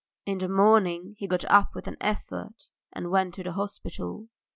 In the morning he got up with an effort and went to the hospital.